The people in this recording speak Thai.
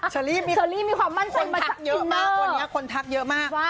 เชอรี่มีความมั่นใจมาจากอินเนอร์คนทักเยอะมากคนทักเยอะมาก